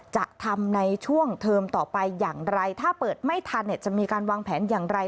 จะทำในช่วงเทอมต่อไปอย่างไรถ้าเปิดไม่ทันจะมีการวางแผนอย่างไร